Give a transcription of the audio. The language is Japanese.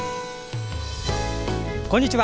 こんにちは。